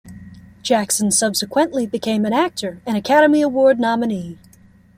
Jackson subsequently became an actor and Academy Award nominee.